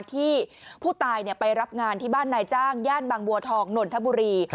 ที่ผู้ตายไปรับงานที่บ้านนายจ้างย่านบางบัวทองนนทบุรี